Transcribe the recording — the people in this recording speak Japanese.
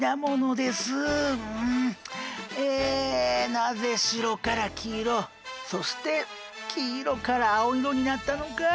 なぜ白から黄色そして黄色から青色になったのか！